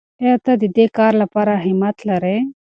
آیا ته د دې کار لپاره همت لرې؟